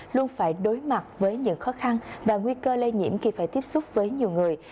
luôn phải đối mặt với những khó khăn và nguy cơ lây nhiễm khi phải tiếp xúc với nhiều người